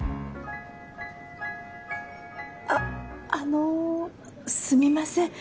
あっあのすみません。